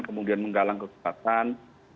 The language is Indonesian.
kemudian menggalang kekuatan